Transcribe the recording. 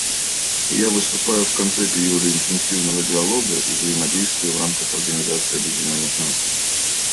Я выступаю в конце периода интенсивного диалога и взаимодействия в рамках Организации Объединенных Наций.